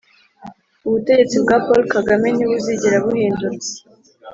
ubutegetsi bwa Paul Kagame ntibuzigera buhindura.